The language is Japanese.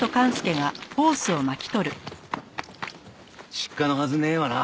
失火のはずねえわな。